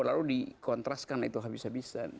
lalu dikontraskan itu habis habisan